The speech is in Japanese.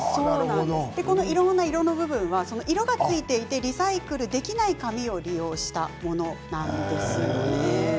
色の部分は、色がついていてリサイクルできない紙を利用したものなんです。